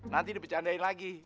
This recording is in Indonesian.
nanti dipecandain lagi